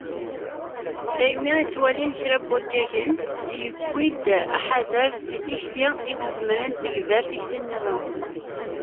Daymi i ttwalin kra n waggagen, yewwi-d aḥader seg tikti-a i izemren tegber tikti-nniḍen.